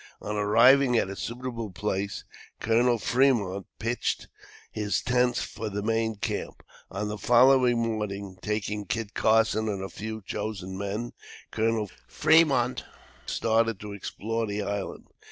On arriving at a suitable place, Col. Fremont pitched his tents for the main camp. On the following morning, taking Kit Carson and a few chosen men, Col. Fremont started to explore the island.